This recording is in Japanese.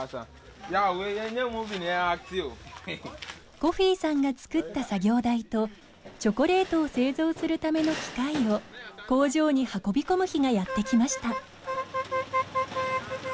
コフィさんが作った作業台とチョコレートを製造するための機械を工場に運び込む日がやってきました。